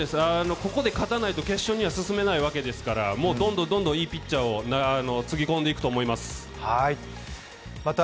ここで勝たないと決勝には進めないわけですからもうどんどん、どんどんいいピッチャーをつぎ込んでいくと思います。